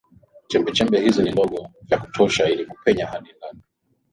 Chembechembe hizi ni ndogo vya kutosha ili kupenya hadi ndani ya